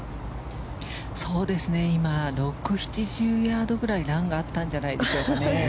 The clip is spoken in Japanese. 今、６０７０ぐらいランがあったんじゃないでしょうかね。